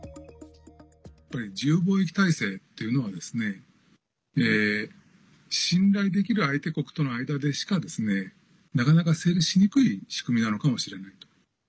自由貿易体制というのが信頼できる相手国との間でしかなかなか成立しにくい仕組みなのかもしれないと。